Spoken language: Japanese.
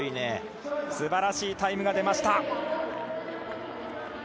すばらしいタイムが出ました。